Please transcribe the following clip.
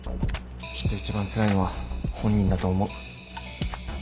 きっと一番つらいのは本人だと思う。